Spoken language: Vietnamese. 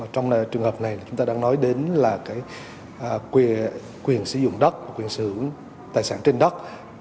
trong trường hợp này chúng ta đang nói đến là quyền sử dụng đất quyền sử tài sản trên đất